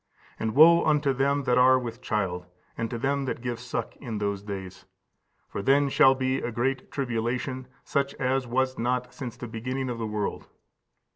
And woe unto them that are with child, and to them that give suck, in those days! for then shall be great tribulation, such as was not since the beginning of the world.